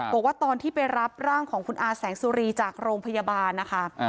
บอกว่าตอนที่ไปรับร่างของคุณอาแสงสุรีจากโรงพยาบาลนะคะ